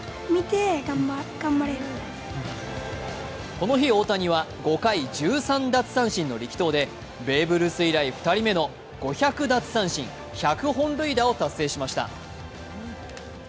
この日、大谷は５回１３奪三振の力投でベーブ・ルース以来、２人目の５００奪三振・１００本塁打を達成しました。